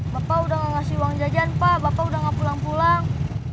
bapak udah gak ngasih uang jajan pak bapak udah gak pulang pulang